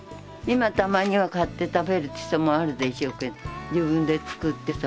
今たまには買って食べるって人もあるでしょうけど自分で作って食べてる。